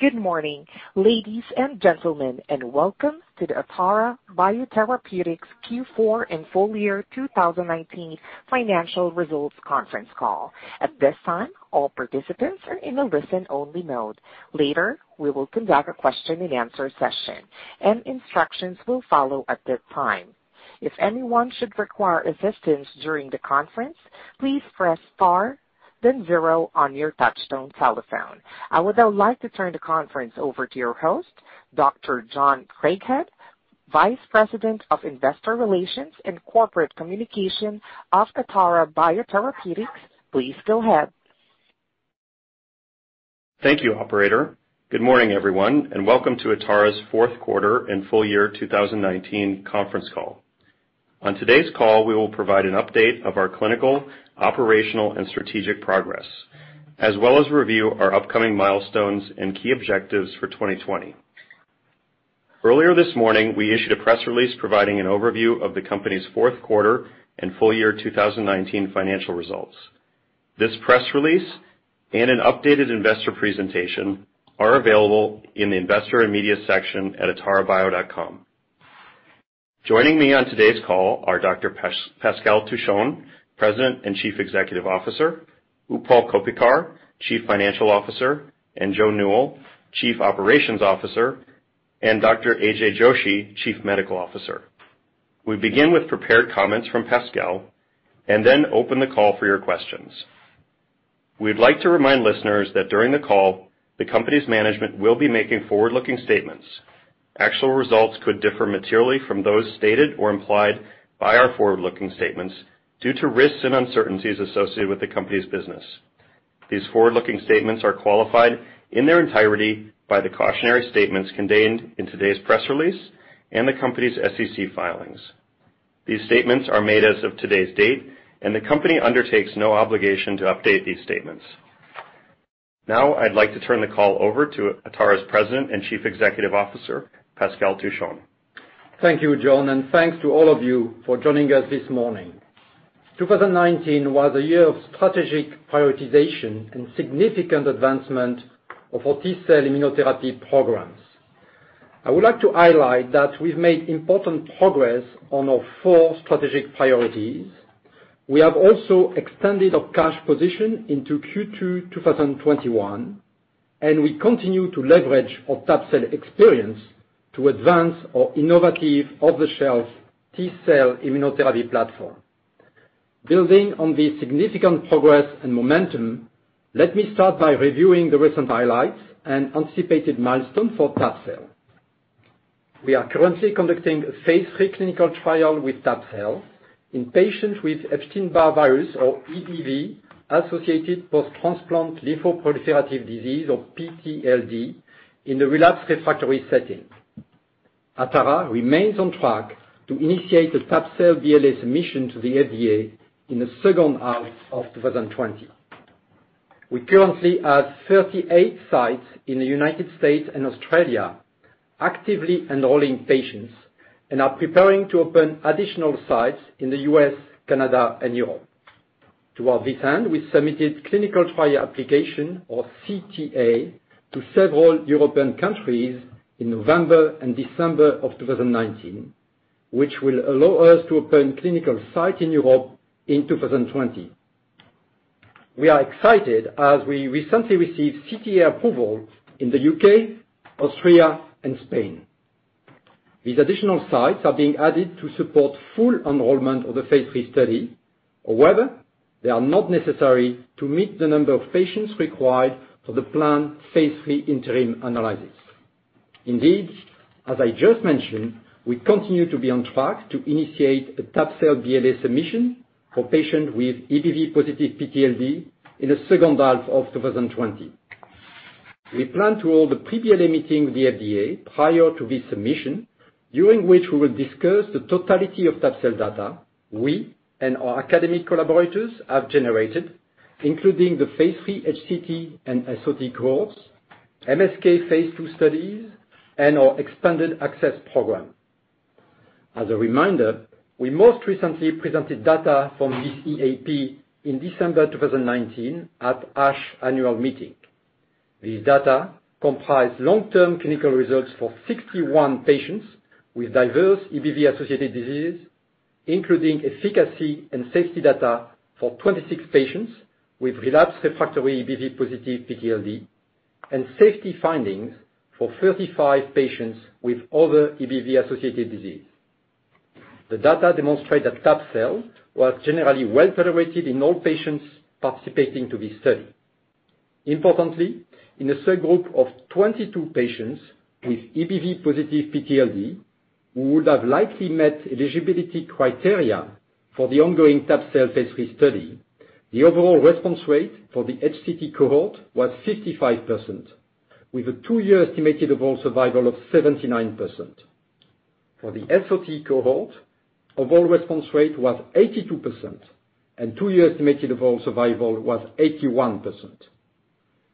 Good morning, ladies and gentlemen, and welcome to the Atara Biotherapeutics Q4 and full-year 2019 financial results conference call. At this time, all participants are in a listen-only mode. Later, we will conduct a question-and-answer session, and instructions will follow at that time. If anyone should require assistance during the conference, please press star then zero on your touchtone telephone. I would now like to turn the conference over to your host, Dr. John Craighead, Vice President of Investor Relations and Corporate Communication of Atara Biotherapeutics. Please go ahead. Thank you, operator. Good morning, everyone, and welcome to Atara's Q4 and full-year 2019 conference call. On today's call, we will provide an update of our clinical, operational, and strategic progress, as well as review our upcoming milestones and key objectives for 2020. Earlier this morning, we issued a press release providing an overview of the company's Q4 and full-year 2019 financial results. This press release and an updated investor presentation are available in the investor and media section at atarabio.com. Joining me on today's call are Dr. Pascal Touchon, President and Chief Executive Officer, Utpal Koppikar, Chief Financial Officer, and Joe Newell, Chief Operations Officer, and Dr. AJ Joshi, Chief Medical Officer. We begin with prepared comments from Pascal, and then open the call for your questions. We'd like to remind listeners that during the call, the company's management will be making forward-looking statements. Actual results could differ materially from those stated or implied by our forward-looking statements due to risks and uncertainties associated with the company's business. These forward-looking statements are qualified in their entirety by the cautionary statements contained in today's press release and the company's SEC filings. These statements are made as of today's date, and the company undertakes no obligation to update these statements. Now, I'd like to turn the call over to Atara's President and Chief Executive Officer, Pascal Touchon. Thank you, John, and thanks to all of you for joining us this morning. 2019 was a year of strategic prioritization and significant advancement of our T-cell immunotherapy programs. I would like to highlight that we've made important progress on our four strategic priorities. We have also extended our cash position into Q2 2021, and we continue to leverage our tab-cel experience to advance our innovative off-the-shelf T-cell immunotherapy platform. Building on the significant progress and momentum, let me start by reviewing the recent highlights and anticipated milestones for tab-cel. We are currently conducting a phase III clinical trial with tab-cel in patients with Epstein-Barr virus or EBV associated post-transplant lymphoproliferative disease or PTLD, in a relapsed refractory setting. Atara remains on track to initiate a tab-cel BLA submission to the FDA in the H2 of 2020. We currently have 38 sites in the United States and Australia actively enrolling patients and are preparing to open additional sites in the U.S., Canada, and Europe. Toward this end, we submitted clinical trial application or CTA to several European countries in November and December of 2019, which will allow us to open clinical site in Europe in 2020. We are excited as we recently received CTA approval in the U.K., Austria, and Spain. These additional sites are being added to support full enrollment of the phase III study. However, they are not necessary to meet the number of patients required for the planned phase III interim analysis. Indeed, as I just mentioned, we continue to be on track to initiate a tab-cel BLA submission for patients with EBV-positive PTLD in the H2 of 2020. We plan to hold a pre-BLA meeting with the FDA prior to this submission, during which we will discuss the totality of tab-cel data we and our academic collaborators have generated, including the phase III HCT and SOT cohorts, Memorial Sloan Kettering phase II studies, and our Expanded Access Program. As a reminder, we most recently presented data from this EAP in December 2019 at ASH annual meeting. These data comprise long-term clinical results for 61 patients with diverse EBV-associated diseases, including efficacy and safety data for 26 patients with relapsed refractory EBV-positive PTLD, and safety findings for 35 patients with other EBV-associated disease. The data demonstrate that tab-cel was generally well-tolerated in all patients participating to this study. Importantly, in a subgroup of 22 patients with EBV-positive PTLD who would have likely met eligibility criteria for the ongoing tab-cel phase III study, the overall response rate for the HCT cohort was 55%, with a two-year estimated overall survival of 79%. For the SOT cohort, overall response rate was 82%, and two-year estimated overall survival was 81%.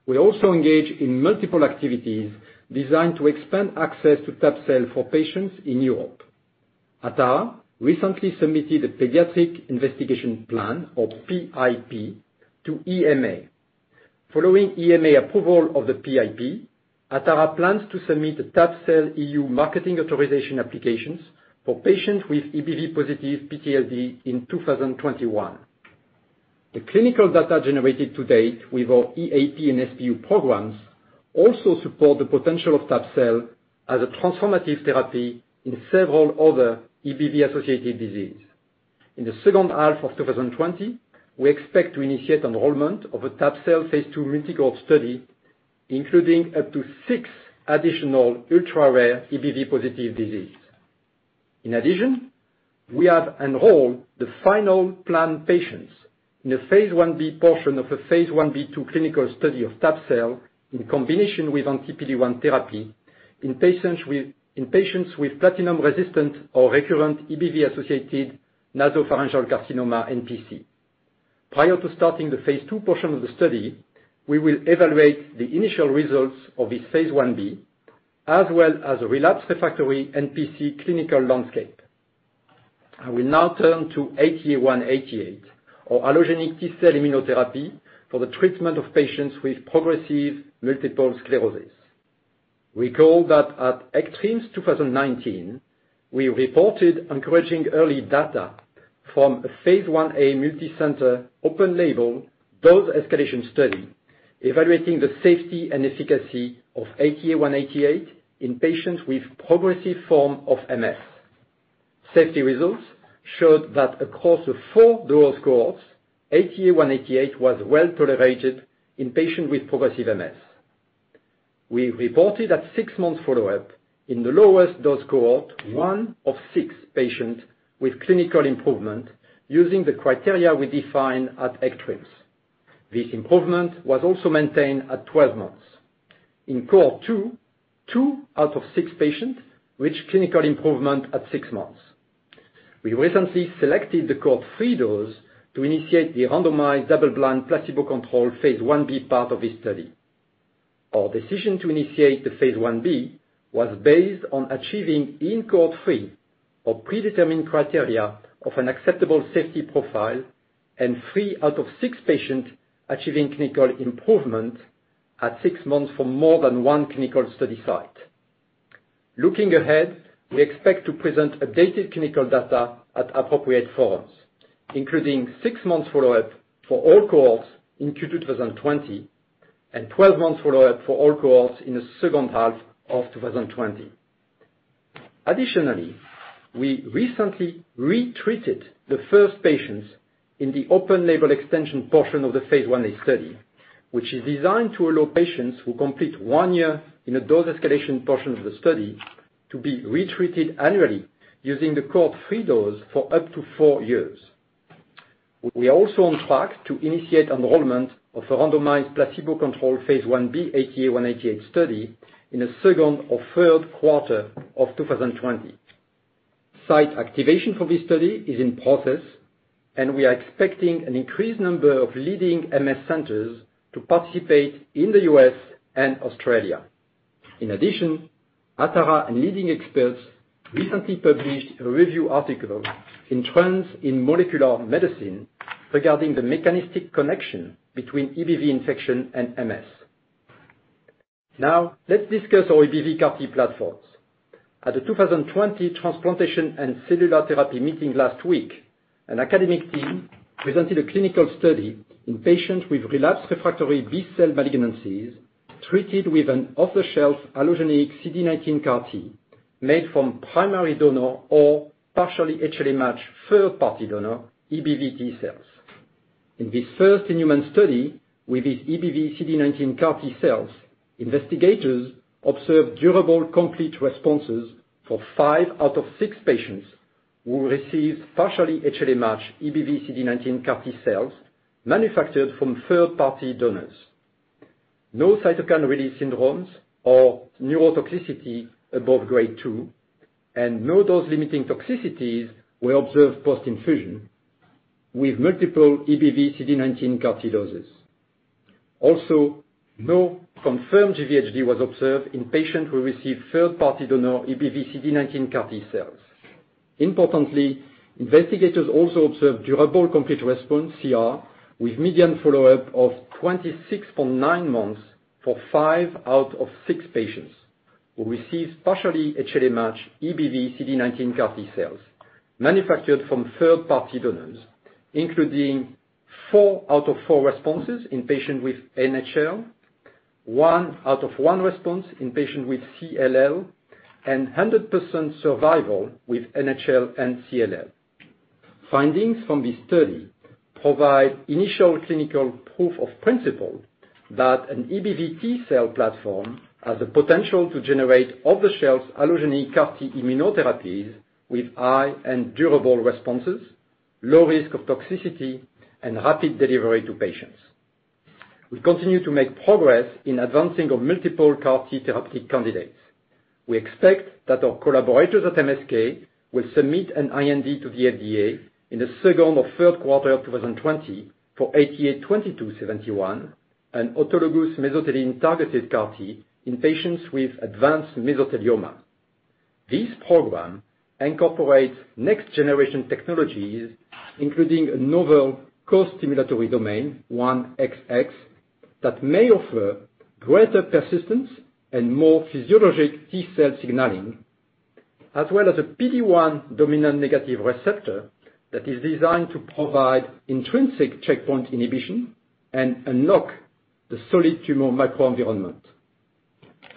We also engage in multiple activities designed to expand access to tab-cel for patients in Europe. Atara recently submitted a pediatric investigation plan, or PIP, to EMA. Following EMA approval of the PIP, Atara plans to submit the tab-cel EU marketing authorization applications for patients with EBV-positive PTLD in 2021. The clinical data generated to date with our EAP and SPU programs also support the potential of tab-cel as a transformative therapy in several other EBV-associated diseases. In the H2 of 2020, we expect to initiate enrollment of a tab-cel phase II clinical study, including up to six additional ultra-rare EBV-positive disease. In addition, we have enrolled the final planned patients in a phase I-B portion of a phase I-B/II clinical study of tab-cel in combination with anti-PD-1 therapy in patients with platinum-resistant or recurrent EBV associated nasopharyngeal carcinoma NPC. Prior to starting the phase II portion of the study, we will evaluate the initial results of this phase I-B, as well as a relapsed/refractory NPC clinical landscape. I will now turn to ATA188, or allogeneic T-cell immunotherapy for the treatment of patients with progressive multiple sclerosis. Recall that at ECTRIMS 2019, we reported encouraging early data from a phase I-A multi-center open label dose escalation study evaluating the safety and efficacy of ATA188 in patients with progressive form of MS. Safety results showed that across the four dose cohorts, ATA188 was well-tolerated in patients with progressive MS. We reported at six months follow-up in the lowest dose cohort, one of six patients with clinical improvement using the criteria we define at ECTRIMS. This improvement was also maintained at 12 months. In cohort 2, two out of six patients reached clinical improvement at six months. We recently selected the cohort 3 dose to initiate the randomized double-blind placebo-controlled phase I-B part of this study. Our decision to initiate the phase I-B was based on achieving in cohort 3 of predetermined criteria of an acceptable safety profile and three out of six patients achieving clinical improvement at six months for more than one clinical study site. Looking ahead, we expect to present updated clinical data at appropriate forums, including six months follow-up for all cohorts in Q2 2020, and 12 months follow-up for all cohorts in the H2 of 2020. Additionally, we recently retreated the first patients in the open label extension portion of the phase I-A study, which is designed to allow patients who complete one year in a dose escalation portion of the study to be retreated annually using the cohort three dose for up to four years. We are also on track to initiate enrollment of a randomized placebo-controlled phase I-B ATA188 study in the Q2 or Q3 of 2020. Site activation for this study is in process, and we are expecting an increased number of leading MS centers to participate in the U.S. and Australia. In addition, Atara and leading experts recently published a review article in Trends in Molecular Medicine regarding the mechanistic connection between EBV infection and MS. Now, let's discuss our EBV CAR-T platforms. At the 2020 Transplantation and Cellular Therapy meeting last week, an academic team presented a clinical study in patients with relapsed/refractory B-cell malignancies treated with an off-the-shelf allogeneic CD19 CAR-T made from primary donor or partially HLA-matched third-party donor EBV-T cells. In this first human study with these EBV CD19 CAR-T cells, investigators observed durable complete responses for five out of six patients who received partially HLA-matched EBV CD19 CAR-T cells manufactured from third-party donors. No cytokine release syndromes or neurotoxicity above Grade 2, and no dose-limiting toxicities were observed post-infusion with multiple EBV CD19 CAR-T doses. Also, no confirmed GvHD was observed in patients who received third-party donor EBV CD19 CAR-T cells. Importantly, investigators also observed durable complete response CR with median follow-up of 26.9 months for five out of six patients who received partially HLA-matched EBV CD19 CAR-T cells manufactured from third-party donors, including four out of four responses in patients with NHL, one out of one response in patient with CLL, and 100% survival with NHL and CLL. Findings from this study provide initial clinical proof of principle that an EBV-T cell platform has the potential to generate off-the-shelf allogeneic CAR-T immunotherapies with high and durable responses, low risk of toxicity, and rapid delivery to patients. We continue to make progress in advancing our multiple CAR-T therapeutic candidates. We expect that our collaborators at MSK will submit an IND to the FDA in the Q2 or Q3 of 2020 for ATA2271 An autologous mesothelin-targeted CAR-T in patients with advanced mesothelioma. This program incorporates next-generation technologies, including a novel co-stimulatory domain, 1XX, that may offer greater persistence and more physiologic T-cell signaling, as well as a PD-1 dominant negative receptor that is designed to provide intrinsic checkpoint inhibition and unlock the solid tumor microenvironment.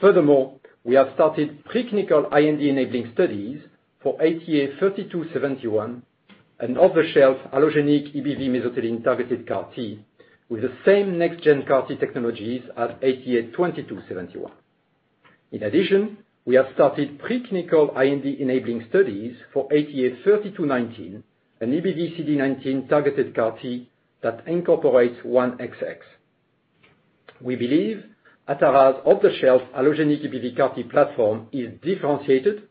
Furthermore, we have started pre-clinical IND-enabling studies for ATA3271, an off-the-shelf allogeneic EBV mesothelin-targeted CAR-T with the same next gen CAR-T technologies as ATA2271. In addition, we have started pre-clinical IND-enabling studies for ATA3219, an EBV CD19 targeted CAR-T that incorporates 1XX. We believe Atara's off-the-shelf allogeneic EBV CAR-T platform is differentiated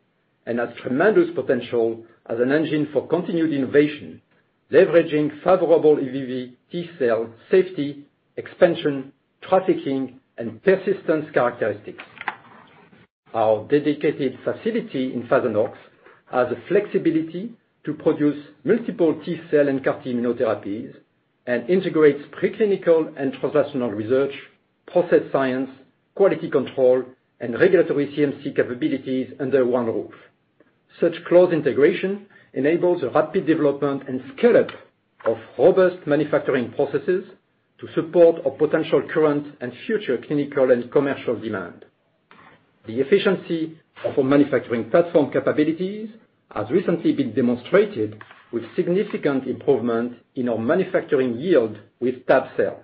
and has tremendous potential as an engine for continued innovation, leveraging favorable EBV T cell safety, expansion, trafficking, and persistence characteristics. Our dedicated facility in Thousand Oaks has the flexibility to produce multiple T-cell and CAR-T immunotherapies and integrates pre-clinical and translational research, process science, quality control, and regulatory CMC capabilities under one roof. Such close integration enables a rapid development and scale-up of robust manufacturing processes to support our potential current and future clinical and commercial demand. The efficiency of our manufacturing platform capabilities has recently been demonstrated with significant improvement in our manufacturing yield with tab-cel.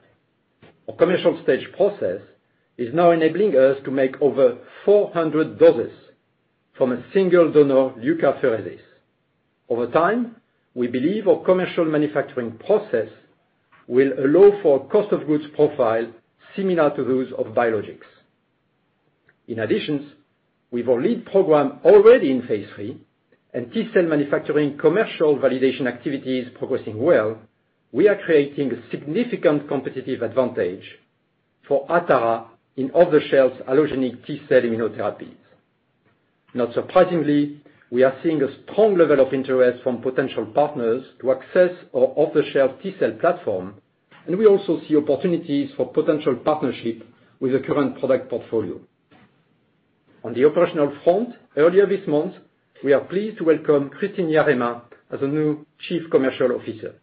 Our commercial stage process is now enabling us to make over 400 doses from a single donor leukapheresis. Over time, we believe our commercial manufacturing process will allow for cost of goods profile similar to those of Biologics. In addition, with our lead program already in phase III and T-cell manufacturing commercial validation activities progressing well, we are creating a significant competitive advantage for Atara in off-the-shelf allogeneic T-cell immunotherapies. Not surprisingly, we are seeing a strong level of interest from potential partners to access our off-the-shelf T-cell platform. We also see opportunities for potential partnership with the current product portfolio. On the operational front, earlier this month, we are pleased to welcome Kristin Yarema as a new Chief Commercial Officer.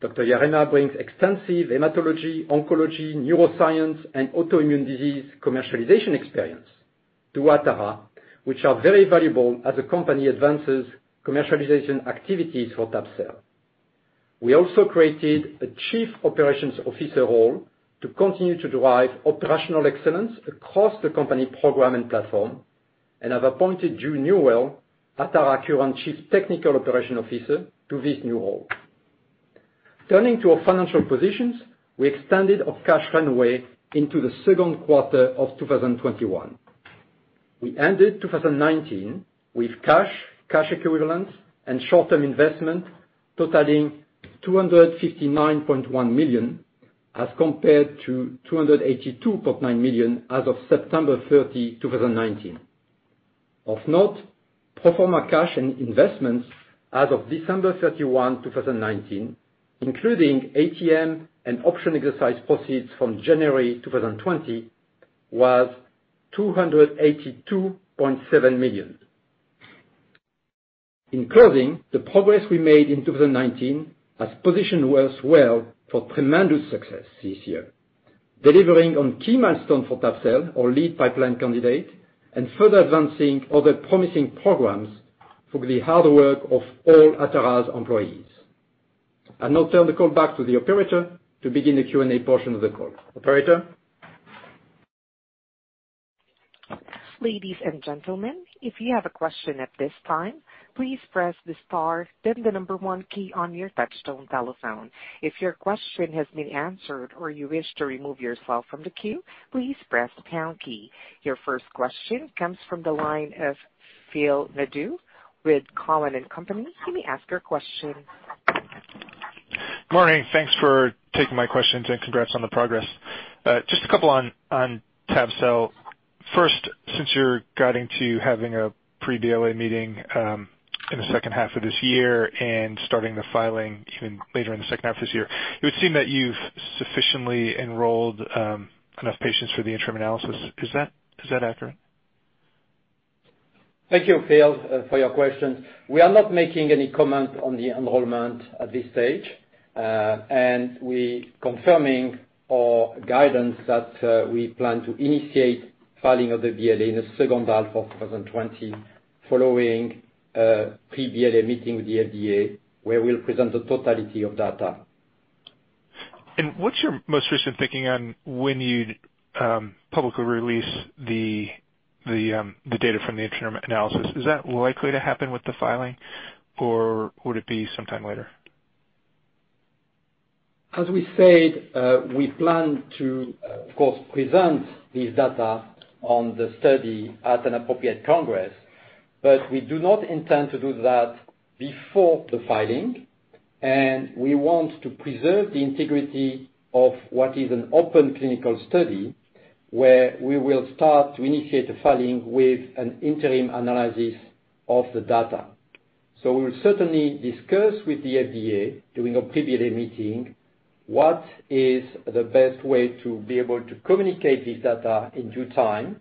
Dr. Yarema brings extensive hematology, oncology, neuroscience, and autoimmune disease commercialization experience to Atara, which are very valuable as the company advances commercialization activities for tab-cel. We also created a Chief Operations Officer role to continue to drive operational excellence across the company program and platform, and have appointed Joe Newell, Atara current Chief Technical Operation Officer, to this new role. Turning to our financial positions, we extended our cash runway into the Q2 of 2021. We ended 2019 with cash equivalents, and short-term investment totaling $259.1 million as compared to $282.9 million as of September 30, 2019. Of note, pro forma cash and investments as of December 31, 2019, including ATM and option exercise proceeds from January 2020, was $282.7 million. In closing, the progress we made in 2019 has positioned us well for tremendous success this year. Delivering on key milestones for tab-cel, our lead pipeline candidate, and further advancing other promising programs through the hard work of all Atara's employees. I'll now turn the call back to the operator to begin the Q&A portion of the call. Operator? Ladies and gentlemen, if you have a question at this time, please press the star then the number one key on your touch-tone telephone. If your question has been answered or you wish to remove yourself from the queue, please press pound key. Your first question comes from the line of Phil Nadeau with Cowen and Company. You may ask your question. Morning. Thanks for taking my questions, and congrats on the progress. Just a couple on tab-cel. First, since you're guiding to having a pre-BLA meeting in the H2 of this year and starting the filing even later in the H2 of this year, it would seem that you've sufficiently enrolled enough patients for the interim analysis. Is that accurate? Thank you, Phil, for your question. We are not making any comment on the enrollment at this stage. We confirming our guidance that we plan to initiate filing of the BLA in the H2 of 2020 following a pre-BLA meeting with the FDA, where we'll present the totality of data. What's your most recent thinking on when you'd publicly release the data from the interim analysis? Is that likely to happen with the filing, or would it be sometime later? As we said, we plan to, of course, present this data on the study at an appropriate congress. We do not intend to do that before the filing, and we want to preserve the integrity of what is an open clinical study, where we will start to initiate the filing with an interim analysis of the data. We'll certainly discuss with the FDA during a pre-BLA meeting what is the best way to be able to communicate this data in due time.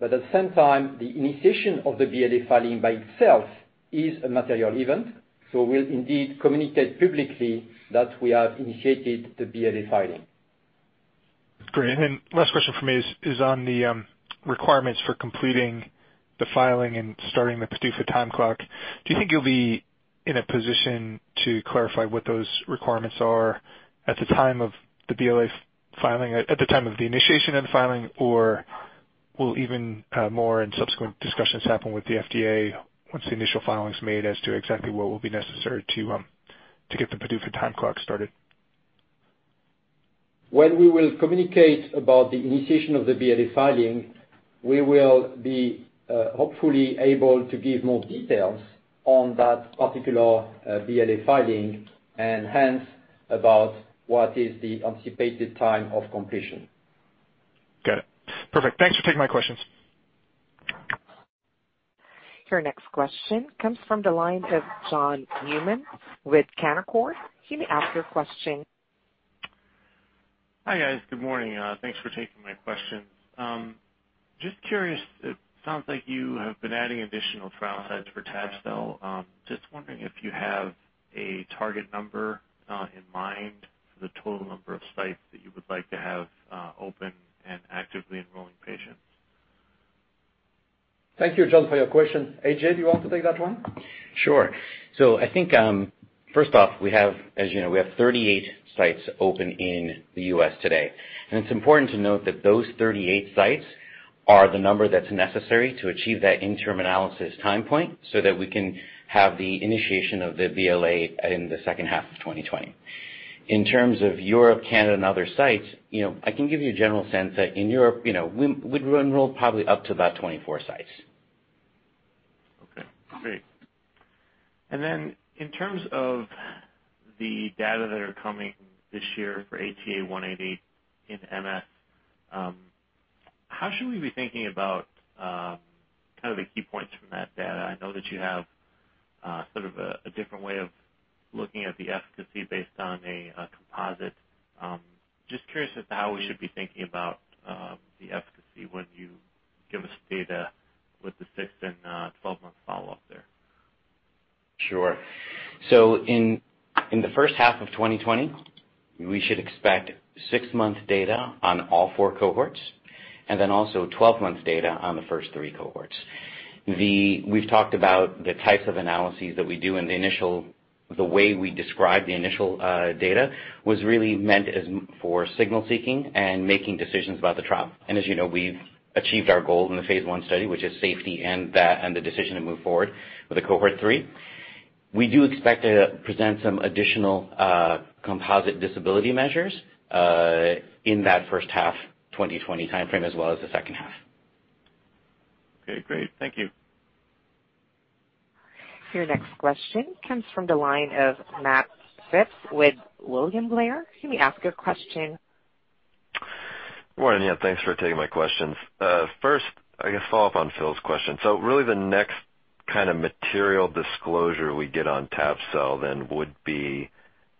At the same time, the initiation of the BLA filing by itself is a material event, so we'll indeed communicate publicly that we have initiated the BLA filing. Great. Last question from me is on the requirements for completing the filing and starting the PDUFA time clock. Do you think you'll be in a position to clarify what those requirements are at the time of the BLA filing, at the time of the initiation and filing? Will even more and subsequent discussions happen with the FDA once the initial filing is made as to exactly what will be necessary to get the PDUFA time clock started? When we will communicate about the initiation of the BLA filing, we will be, hopefully, able to give more details on that particular BLA filing and hence about what is the anticipated time of completion. Got it. Perfect. Thanks for taking my questions. Your next question comes from the line of John Newman with Canaccord. You may ask your question. Hi, guys. Good morning. Thanks for taking my questions. Just curious, it sounds like you have been adding additional trial sites for tab-cel. Just wondering if you have a target number in mind for the total number of sites that you would like to have open and actively enrolling patients. Thank you, John, for your question. AJ, do you want to take that one? Sure. I think, first-off, as you know, we have 38 sites open in the U.S. today. It's important to note that those 38 sites are the number that's necessary to achieve that interim analysis time point so that we can have the initiation of the BLA in the second half of 2020. In terms of Europe, Canada, and other sites, I can give you a general sense that in Europe, we'd enroll probably up to about 24 sites. Okay, great. Then in terms of the data that are coming this year for ATA188 in MS, how should we be thinking about kind of the key points from that data? I know that you have sort of a different way of looking at the efficacy based on a composite. Just curious as to how we should be thinking about the efficacy when you give us data with the six and 12-month follow-up there. Sure. In the H1 of 2020, we should expect six-month data on all four cohorts, and then also 12-month data on the first three cohorts. We've talked about the types of analyses that we do, and the way we describe the initial data was really meant for signal-seeking and making decisions about the trial. As you know, we've achieved our goal in the phase I study, which is safety and the decision to move forward with a cohort 3. We do expect to present some additional composite disability measures in that H1 2020 timeframe, as well as the second half. Okay, great. Thank you. Your next question comes from the line of Matt Phipps with William Blair. You may ask your question. Good morning, yeah. Thanks for taking my questions. First, I guess, follow-up on Phil's question. Really the next kind of material disclosure we get on tab-cel then would be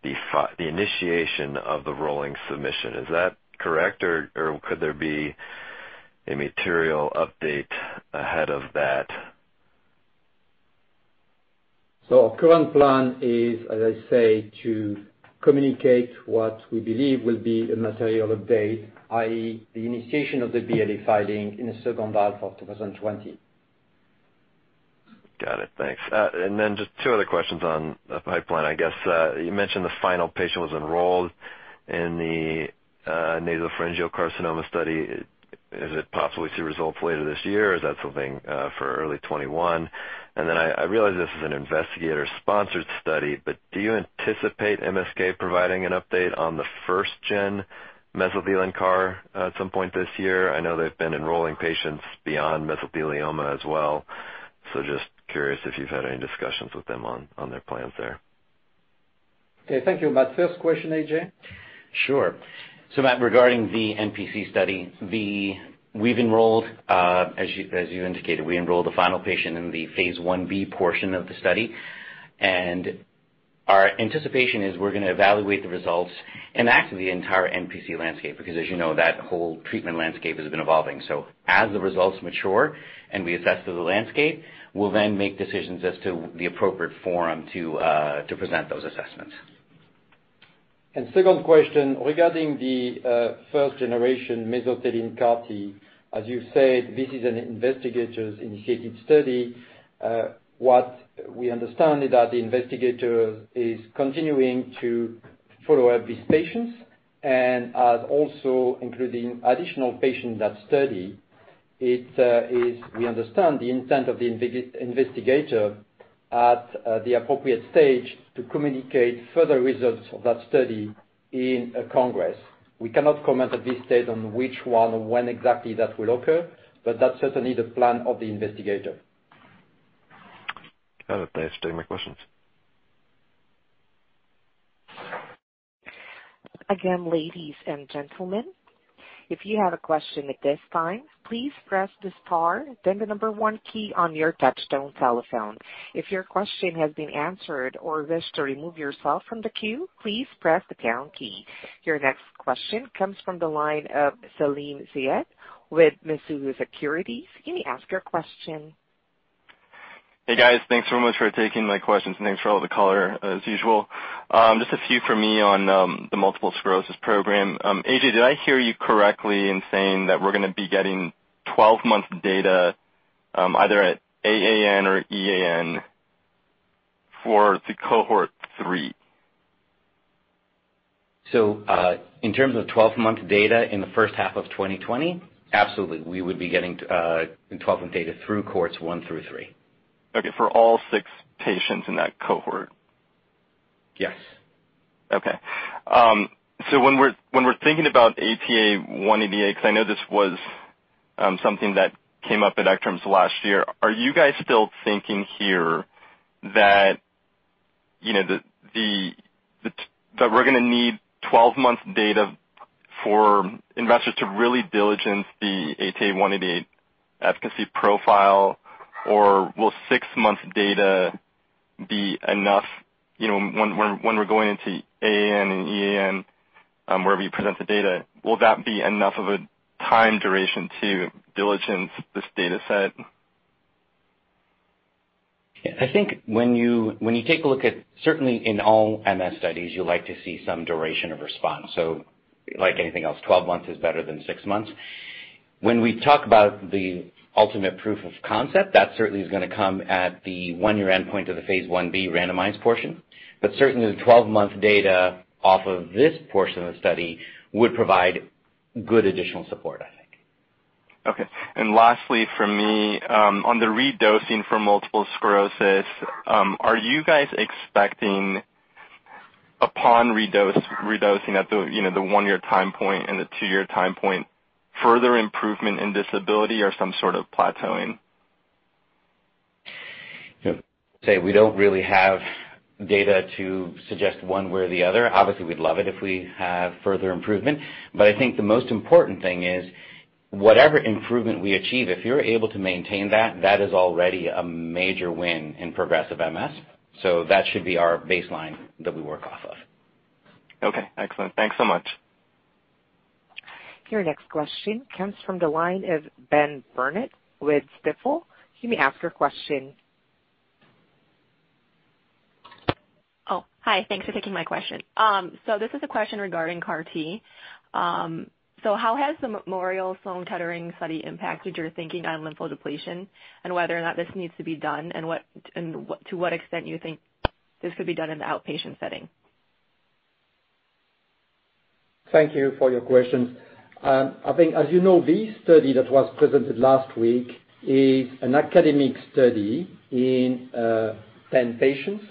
the initiation of the rolling submission. Is that correct? Or could there be a material update ahead of that? Our current plan is, as I say, to communicate what we believe will be a material update, i.e., the initiation of the BLA filing in the H2 of 2020. Got it. Thanks. Then just two other questions on the pipeline, I guess. You mentioned the final patient was enrolled in the nasopharyngeal carcinoma study. Is it possible we see results later this year, or is that something for early 2021? Then I realize this is an investigator-sponsored study, but do you anticipate MSK providing an update on the first-gen mesothelin CAR at some point this year? I know they've been enrolling patients beyond mesothelioma as well. Just curious if you've had any discussions with them on their plans there. Okay. Thank you, Matt. First question, AJ. Sure. Matt, regarding the NPC study, we've enrolled, as you indicated, we enrolled the final patient in the phase I-B portion of the study. Our anticipation is we're going to evaluate the results and actually the entire NPC landscape, because as you know, that whole treatment landscape has been evolving. As the results mature and we assess the landscape, we'll then make decisions as to the appropriate forum to present those assessments. Second question, regarding the first-generation mesothelin CAR-T, as you said, this is an investigator-initiated study. What we understand is that the investigator is continuing to follow up with patients and are also including additional patients in that study. We understand the intent of the investigator at the appropriate stage to communicate further results of that study in a congress. We cannot comment at this stage on which one or when exactly that will occur, but that's certainly the plan of the investigator. Okay. Thanks for taking my questions. Again, ladies and gentlemen, if you have a question at this time, please press the star then the number one key on your touch-tone telephone. If your question has been answered or wish to remove yourself from the queue, please press the pound key. Your next question comes from the line of Salim Syed with Mizuho Securities. You may ask your question. Hey, guys. Thanks so much for taking my questions, and thanks for all the color as usual. Just a few from me on the multiple sclerosis program. AJ, did I hear you correctly in saying that we're going to be getting 12 months data, either at AAN or EAN for the cohort 3? In terms of 12-month data in the H1 of 2020, absolutely, we would be getting 12-month data through cohorts 1 through 3. Okay. For all six patients in that cohort? Yes. Okay. When we're thinking about ATA188, because I know this was something that came up at ECTRIMS last year, are you guys still thinking here that we're going to need 12 months data for investors to really diligence the ATA188 efficacy profile? Or will six months data be enough when we're going into AAN and EAN, wherever you present the data, will that be enough of a time duration to diligence this data set? I think when you take a look at, certainly in all MS studies, you like to see some duration of response. Like anything else, 12 months is better than six months. When we talk about the ultimate proof of concept, that certainly is going to come at the one-year endpoint of the phase I-B randomized portion. Certainly, the 12-month data off of this portion of the study would provide good additional support, I think. Okay. Lastly from me, on the redosing for multiple sclerosis, are you guys expecting upon redosing at the one-year time point and the two-year time point, further improvement in disability or some sort of plateauing? We don't really have data to suggest one way or the other. Obviously, we'd love it if we have further improvement. I think the most important thing is whatever improvement we achieve, if you're able to maintain that is already a major win in progressive MS. That should be our baseline that we work off of. Okay, excellent. Thanks so much. Your next question comes from the line of Ben Burnett with Stifel. You may ask your question. Oh, hi. Thanks for taking my question. This is a question regarding CAR-T. How has the Memorial Sloan Kettering study impacted your thinking on lymphodepletion and whether or not this needs to be done, and to what extent you think this could be done in the outpatient setting? Thank you for your question. I think as you know, this study that was presented last week is an academic study in 10 patients.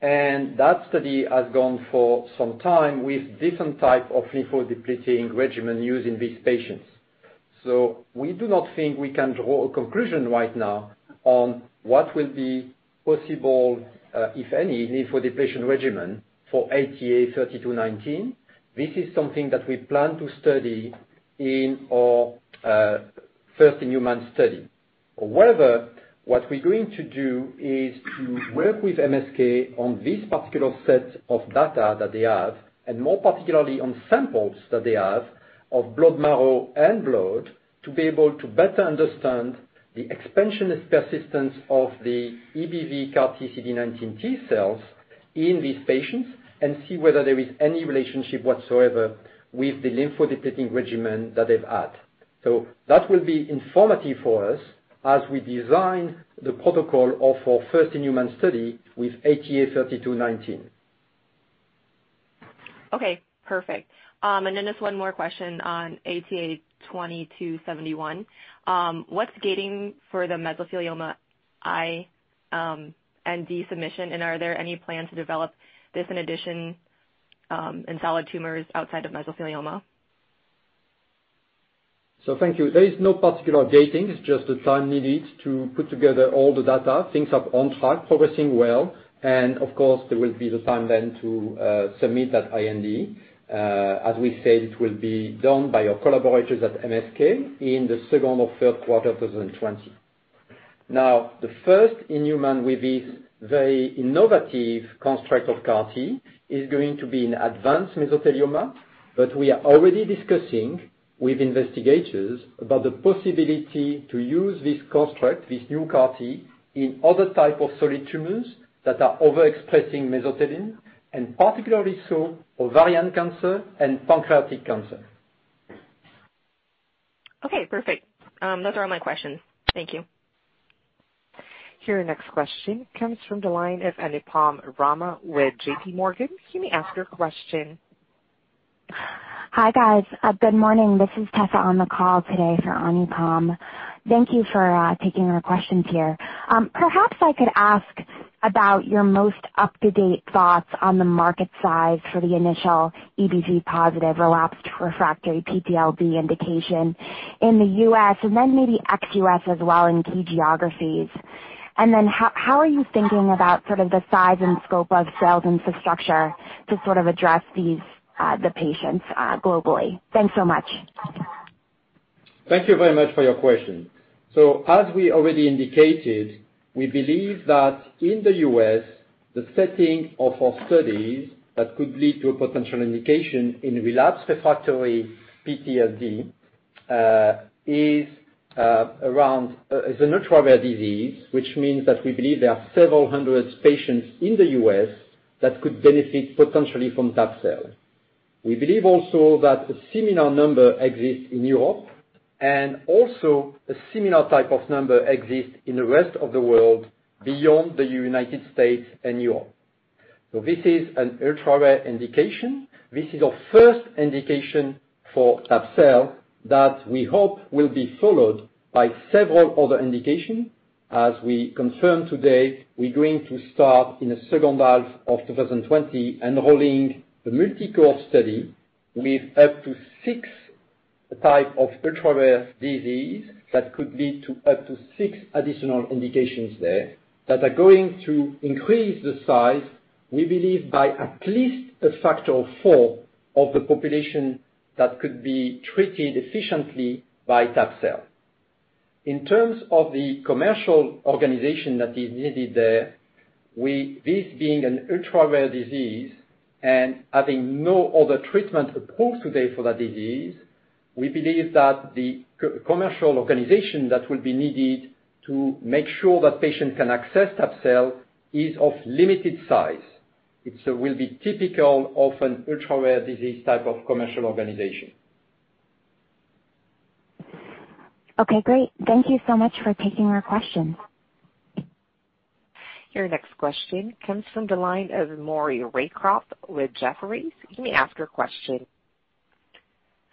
That study has gone for some time with different type of lymphodepleting regimen used in these patients. We do not think we can draw a conclusion right now on what will be possible, if any, lymphodepletion regimen for ATA3219. This is something that we plan to study in our first human study. However, what we're going to do is to work with MSK on this particular set of data that they have, and more particularly on samples that they have of blood marrow and blood, to be able to better understand the expansionist persistence of the EBV CAR-T CD19 T-cells in these patients and see whether there is any relationship whatsoever with the lymphodepleting regimen that they've had. That will be informative for us as we design the protocol of our first human study with ATA3219. Okay, perfect. Just one more question on ATA2271. What's gating for the mesothelioma IND submission? Are there any plans to develop this in addition in solid tumors outside of mesothelioma? Thank you. There is no particular gating. It's just the time needed to put together all the data. Things are on track, progressing well, and of course, there will be the time then to submit that IND. As we said, it will be done by our collaborators at MSK in the Q2 or Q3 of 2020. The first in human with this very innovative construct of CAR-T is going to be in advanced mesothelioma, but we are already discussing with investigators about the possibility to use this construct, this new CAR-T, in other type of solid tumors that are overexpressing mesothelin, and particularly so ovarian cancer and pancreatic cancer. Okay, perfect. Those are all my questions. Thank you. Your next question comes from the line of Anupam Rama with J.P. Morgan. You may ask your question. Hi guys. Good morning. This is Tessa Romero on the call today for Anupam Rama. Thank you for taking our questions here. Perhaps I could ask about your most up-to-date thoughts on the market size for the initial EBV positive relapsed/refractory PTLD indication in the U.S., and then maybe ex-U.S. as well in key geographies. Then how are you thinking about sort of the size and scope of sales infrastructure to sort of address the patients globally? Thanks so much. Thank you very much for your question. As we already indicated, we believe that in the U.S., the setting of our studies that could lead to a potential indication in relapsed/refractory PTLD is an ultra-rare disease, which means that we believe there are several hundred patients in the U.S. that could benefit potentially from tab-cel. We believe also that a similar number exists in Europe, and also a similar type of number exists in the rest of the world beyond the United States and Europe. This is an ultra-rare indication. This is our first indication for tab-cel that we hope will be followed by several other indications. As we confirm today, we're going to start in the H2 of 2020 enrolling the multi-cohort study with up to six types of ultra-rare disease that could lead to up to six additional indications there that are going to increase the size, we believe, by at least a factor of four of the population that could be treated efficiently by that cell. In terms of the commercial organization that is needed there, this being an ultra-rare disease and having no other treatment approved today for that disease, we believe that the commercial organization that will be needed to make sure that patients can access that cell is of limited size. It will be typical of an ultra-rare disease type of commercial organization. Okay, great. Thank you so much for taking our question. Your next question comes from the line of Maury Raycroft with Jefferies. You may ask your question.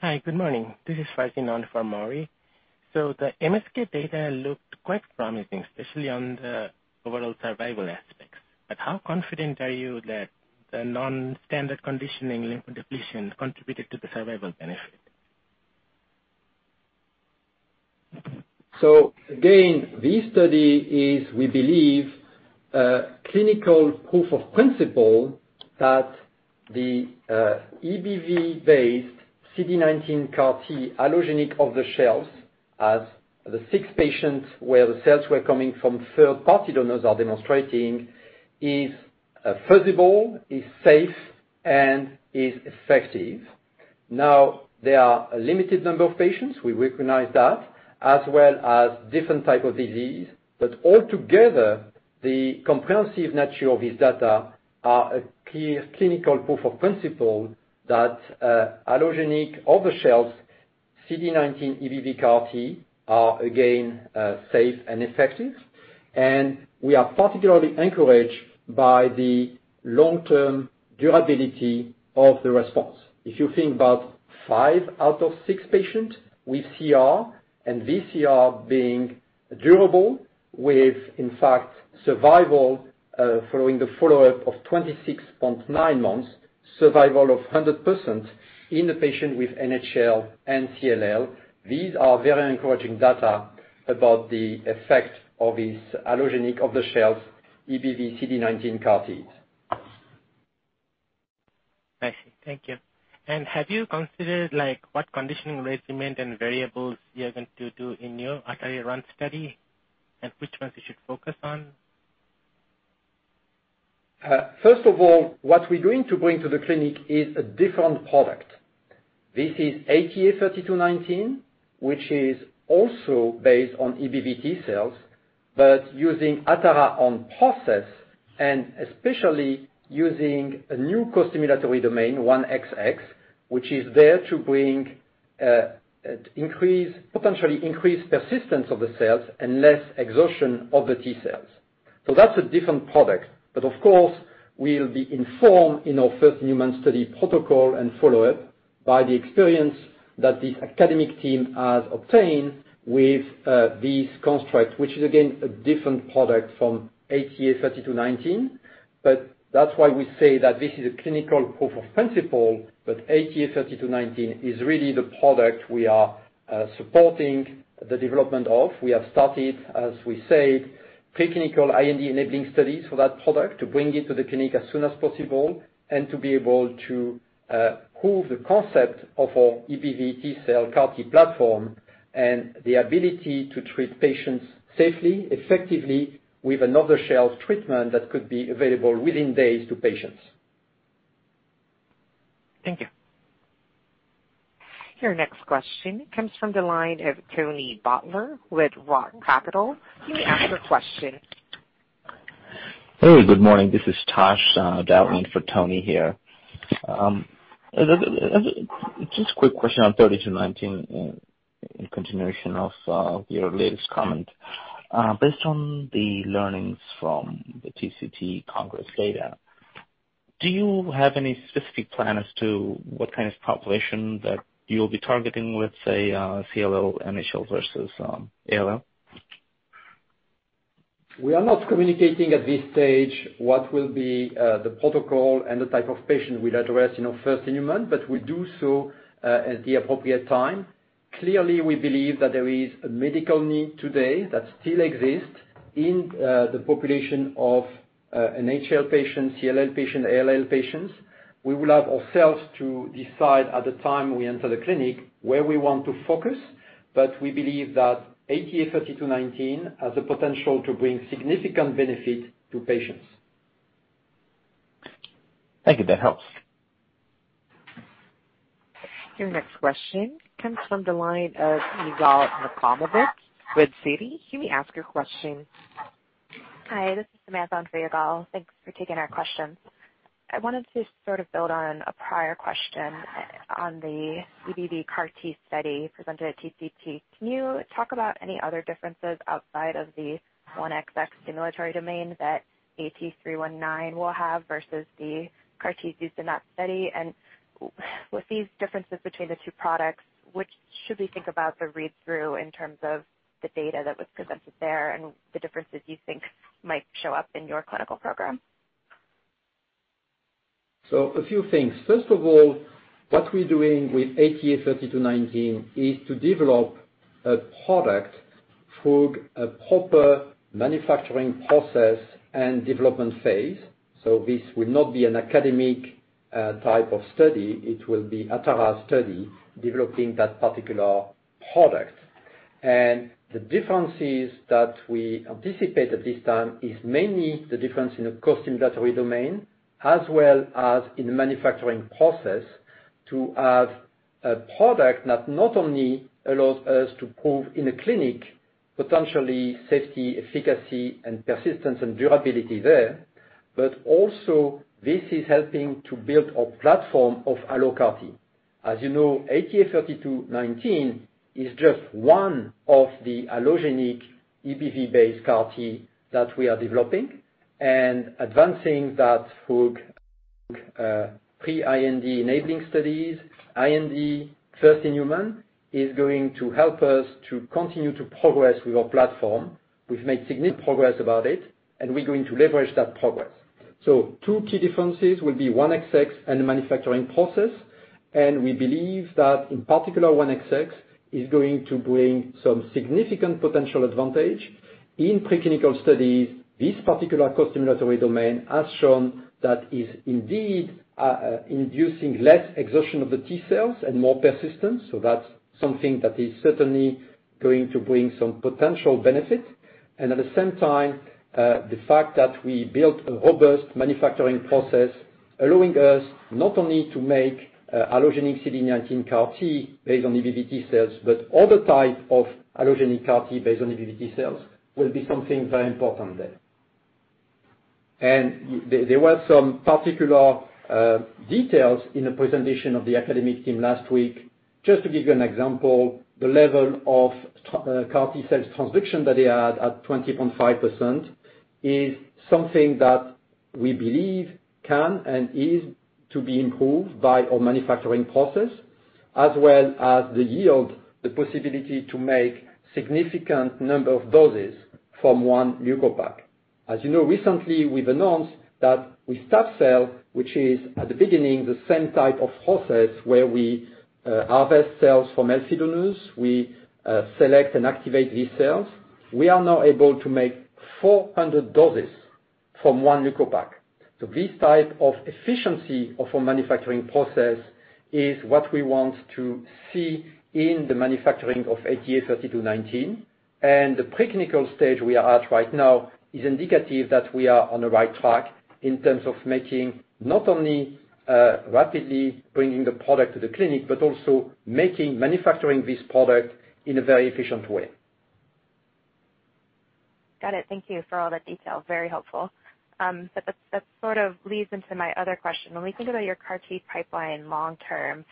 Hi. Good morning. This is Farzin on for Maury. The MSK data looked quite promising, especially on the overall survival aspects. How confident are you that the non-standard conditioning lymphodepletion contributed to the survival benefit? Again, this study is, we believe, a clinical proof of principle that the EBV-based CD19 CAR-T allogeneic off-the-shelf, as the six patients where the cells were coming from third-party donors are demonstrating, is feasible, is safe, and is effective. There are a limited number of patients, we recognize that, as well as different type of disease. Altogether, the comprehensive nature of this data are a clear clinical proof of principle that allogeneic off-the-shelf CD19 EBV CAR-T are, again, safe and effective. We are particularly encouraged by the long-term durability of the response. If you think about five out of six patients with CR and pCR being durable with, in fact, survival following the follow-up of 26.9 months, survival of 100% in the patient with NHL and CLL, these are very encouraging data about the effect of this allogeneic off-the-shelf EBV CD19 CAR-T. I see. Thank you. Have you considered what conditioning regimen and variables you are going to do in your Atara-run study, and which ones you should focus on? First of all, what we're going to bring to the clinic is a different product. This is ATA3219, which is also based on EBV T-cells, but using Atara own process and especially using a new costimulatory domain, 1XX, which is there to bring potentially increased persistence of the cells and less exhaustion of the T-cells. That's a different product. Of course, we'll be informed in our first human study protocol and follow-up by the experience that this academic team has obtained with this construct, which is again, a different product from ATA3219. That's why we say that this is a clinical proof of principle, but ATA3219 is really the product we are supporting the development of. We have started, as we said, preclinical IND-enabling studies for that product to bring it to the clinic as soon as possible, and to be able to prove the concept of our EBV T cell CAR T platform, and the ability to treat patients safely, effectively, with an off-the-shelf treatment that could be available within days to patients. Thank you. Your next question comes from the line of Tony Butler with ROTH Capital. You may ask your question. Hey, good morning. This is Tosh Dowling for Tony here. Just a quick question on 3219 in continuation of your latest comment. Based on the learnings from the TCT Congress data, do you have any specific plan as to what kind of population that you'll be targeting with, say, CLL/NHL versus ALL? We are not communicating at this stage what will be the protocol and the type of patient we'll address in our first in human, but we'll do so at the appropriate time. Clearly, we believe that there is a medical need today that still exists in the population of NHL patients, CLL patients, ALL patients. We will allow ourselves to decide at the time we enter the clinic where we want to focus, but we believe that ATA3219 has the potential to bring significant benefit to patients. Thank you. That helps. Your next question comes from the line of Yigal Nochomovitz with Citi. You may ask your question. Hi, this is Samantha on for Yigal. Thanks for taking our question. I wanted to sort of build on a prior question on the EBV CAR-T study presented at TCT. Can you talk about any other differences outside of the 1XX stimulatory domain that ATA3219 will have versus the CAR T used in that study? With these differences between the two products, what should we think about the read-through in terms of the data that was presented there and the differences you think might show up in your clinical program? A few things. First of all, what we're doing with ATA3219 is to develop a product through a proper manufacturing process and development phase. This will not be an academic type of study. It will be Atara's study developing that particular product. The differences that we anticipate at this time is mainly the difference in the costimulatory domain, as well as in the manufacturing process to have a product that not only allows us to prove in a clinic, potentially safety, efficacy, and persistence and durability there, but also this is helping to build a platform of allo CAR-T. You know, ATA3219 is just one of the allogeneic EBV-based CAR-T that we are developing and advancing that through pre-IND enabling studies. IND first in human is going to help us to continue to progress with our platform. We've made significant progress about it, and we're going to leverage that progress. Two key differences will be 1XX and the manufacturing process, and we believe that in particular, 1XX is going to bring some significant potential advantage. In preclinical studies, this particular costimulatory domain has shown that is indeed inducing less exhaustion of the T-cells and more persistence. That's something that is certainly going to bring some potential benefit. At the same time, the fact that we built a robust manufacturing process allowing us not only to make allogeneic CD19 CAR-T based on EBV T cells, but other type of allogeneic CAR-T based on EBV T cells, will be something very important there. There were some particular details in the presentation of the academic team last week. Just to give you an example, the level of CAR T-cell transduction that they had at 20.5% is something that we believe can and is to be improved by our manufacturing process, as well as the yield, the possibility to make significant number of doses from one leukopak. As you know, recently we've announced that with tab-cel, which is at the beginning the same type of process where we harvest cells from healthy donors, we select and activate these cells. We are now able to make 400 doses from one leukopak. This type of efficiency of our manufacturing process is what we want to see in the manufacturing of ATA3219. The preclinical stage we are at right now is indicative that we are on the right track in terms of making, not only rapidly bringing the product to the clinic, but also manufacturing this product in a very efficient way. Got it. Thank you for all that detail. Very helpful. That sort of leads into my other question. When we think about your CAR-T pipeline long term,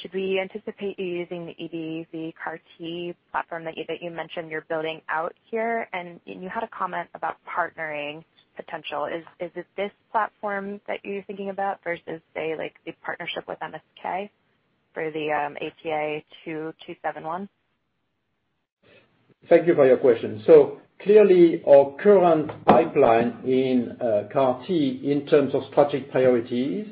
should we anticipate you using the EBV CAR-T platform that you mentioned you're building out here? You had a comment about partnering potential. Is it this platform that you're thinking about versus, say, like the partnership with MSK for the ATA2271? Thank you for your question. Our current pipeline in CAR-T in terms of strategic priorities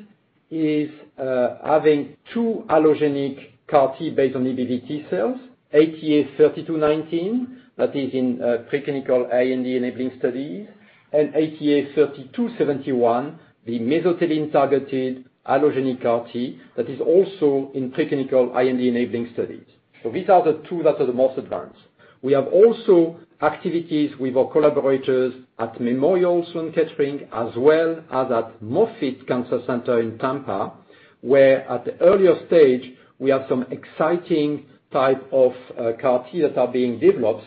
is having two allogeneic CAR-T based on EBV T-cells, ATA3219, that is in preclinical IND-enabling studies, and ATA3271, the mesothelin-targeted allogeneic CAR T that is also in preclinical IND-enabling studies. These are the two that are the most advanced. We have also activities with our collaborators at Memorial Sloan Kettering, as well as at Moffitt Cancer Center in Tampa, where at the earlier stage, we have some exciting type of CAR T that are being developed,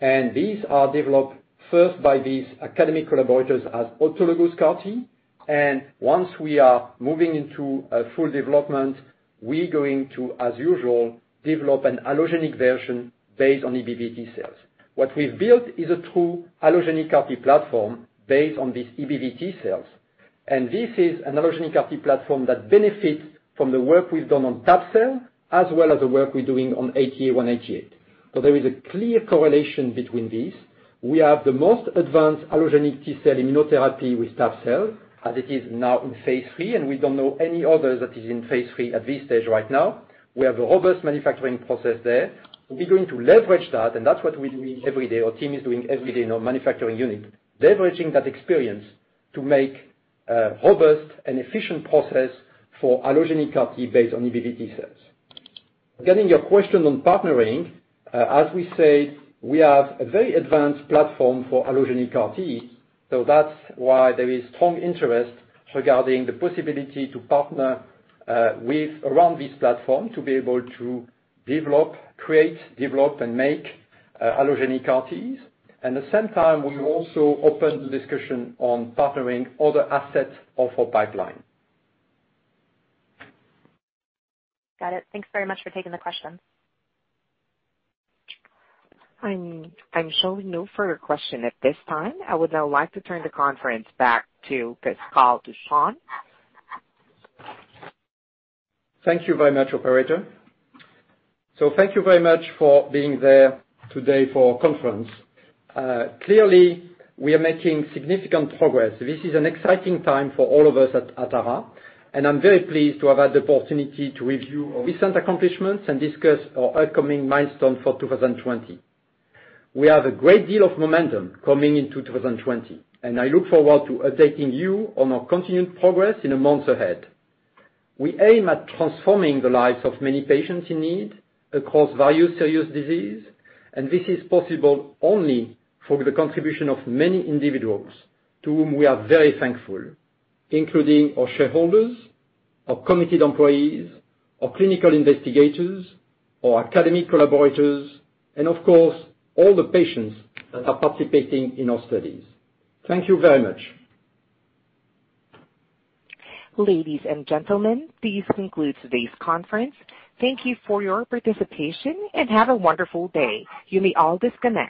and these are developed first by these academic collaborators as autologous CAR T, and once we are moving into a full development, we're going to, as usual, develop an allogeneic version based on EBV T-cells. What we've built is a true allogeneic CAR T platform based on these EBV T-cells, and this is an allogeneic CAR T platform that benefits from the work we've done on tab-cel as well as the work we're doing on ATA188. There is a clear correlation between these. We have the most advanced allogeneic T-cell immunotherapy with tab-cel, as it is now in phase III, and we don't know any other that is in phase III at this stage right now. We have a robust manufacturing process there. We're going to leverage that, and that's what we're doing every day, our team is doing every day in our manufacturing unit. Leveraging that experience to make a robust and efficient process for allogeneic CAR T based on EBV T-cells. Getting your question on partnering, as we said, we have a very advanced platform for allogeneic CAR T, so that's why there is strong interest regarding the possibility to partner around this platform, to be able to create, develop, and make allogeneic CAR Ts. At the same time, we also open the discussion on partnering other assets of our pipeline. Got it. Thanks very much for taking the question. I'm showing no further question at this time. I would now like to turn the conference back to Pascal Touchon. Thank you very much, operator. Thank you very much for being there today for our conference. Clearly, we are making significant progress. This is an exciting time for all of us at Atara, and I am very pleased to have had the opportunity to review our recent accomplishments and discuss our upcoming milestones for 2020. We have a great deal of momentum coming into 2020, and I look forward to updating you on our continued progress in the months ahead. We aim at transforming the lives of many patients in need across various serious diseases, and this is possible only for the contribution of many individuals to whom we are very thankful, including our shareholders, our committed employees, our clinical investigators, our academic collaborators, and of course, all the patients that are participating in our studies. Thank you very much. Ladies and gentlemen, this concludes today's conference. Thank you for your participation, and have a wonderful day. You may all disconnect.